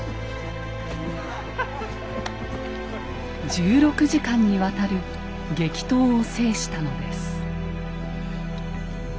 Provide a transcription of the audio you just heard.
１６時間にわたる激闘を制したのです。